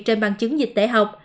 trên bằng chứng dịch tệ học